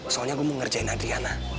soalnya aku mau ngerjain adriana